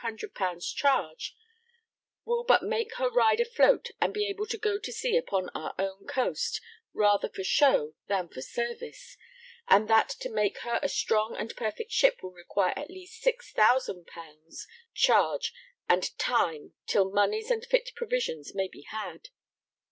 _ charge will but make her ride afloat and be able to go to sea upon our own coast rather for show than for service, and that to make her a strong and perfect ship will require at least 6,000_l._ charge and time till monies and fit provisions may be had.